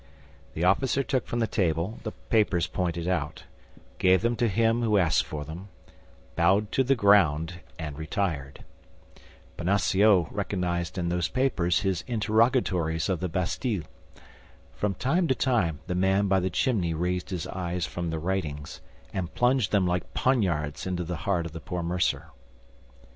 The officer took from the table the papers pointed out, gave them to him who asked for them, bowed to the ground, and retired. Bonacieux recognized in these papers his interrogatories of the Bastille. From time to time the man by the chimney raised his eyes from the writings, and plunged them like poniards into the heart of the poor mercer.